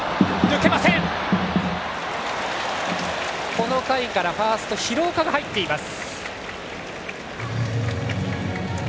この回からファーストに廣岡が入っています。